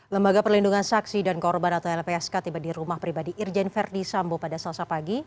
lembaga perlindungan saksi dan korban atau lpsk tiba di rumah pribadi irjen verdi sambo pada selasa pagi